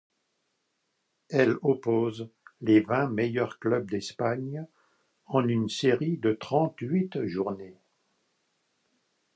Elle oppose les vingt meilleurs clubs d'Espagne en une série de trente-huit journées.